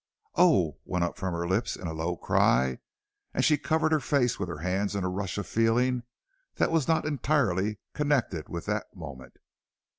"Oh!" went up from her lips in a low cry, and she covered her face with her hands in a rush of feeling that was not entirely connected with that moment.